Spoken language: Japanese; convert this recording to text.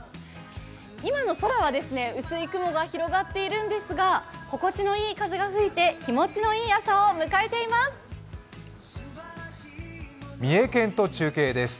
今の空は薄い雲が広がっているんですが心地のいい風が吹いて気持ちのいい朝を迎えています。